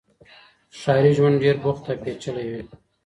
ښاري ژوند ډېر بوخت او پېچلی وي.